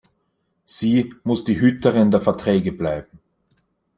Sie muss die Hüterin der Verträge bleiben.